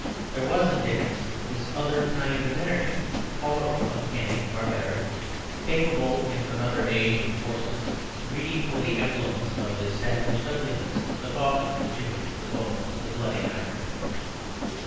There was in Dickens this other kind of energy, horrible, uncanny, barbaric, capable in another age of coarseness, greedy for the emblems of established ugliness, the coffin, the gibbet, the bones, the bloody knife.